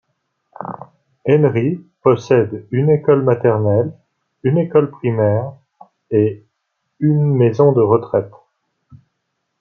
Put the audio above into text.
Ennery possède une école maternelle, une école primaire et une maison de retraite.